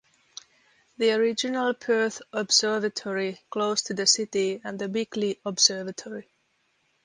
The original Perth Observatory close to the city and the Bickley Observatory.